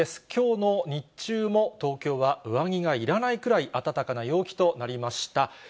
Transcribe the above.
きょうの日中も、東京は上着がいらないくらい暖かな陽気となりました。